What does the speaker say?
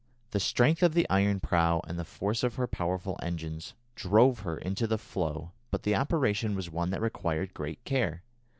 The strength of the iron prow and the force of her powerful engines drove her into the floe, but the operation was one that required great care.